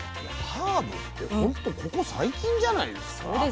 ハーブってほんとここ最近じゃないですか？